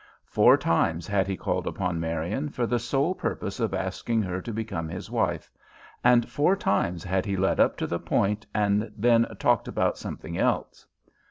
Four times had he called upon Marian for the sole purpose of asking her to become his wife, and four times had he led up to the point and then talked about something else.